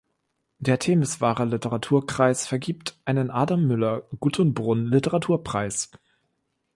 Der Temeswarer Literaturkreis vergibt einen "Adam-Müller-Guttenbrunn-Literaturpreis".